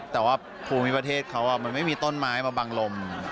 แต่ว่าภูมิประเทศเขามันไม่มีต้นไม้มาบังลม